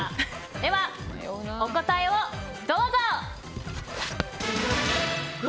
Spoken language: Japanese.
では、お答えをどうぞ！